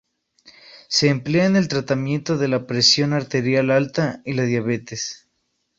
Se emplea en el tratamiento de la presión arterial alta y la diabetes.